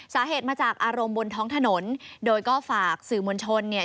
สาเหตุมาจากอารมณ์บนท้องถนนโดยก็ฝากสื่อมวลชนเนี่ย